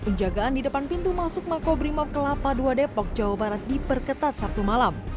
penjagaan di depan pintu masuk mako brimob ke lapa dua depok jawa barat diperketat sabtu malam